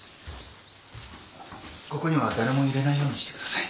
ここには誰も入れないようにしてください。